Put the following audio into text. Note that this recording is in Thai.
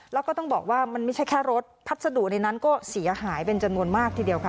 แล้วก็ต้องบอกว่ามันไม่ใช่แค่รถพัสดุในนั้นก็เสียหายเป็นจำนวนมากทีเดียวค่ะ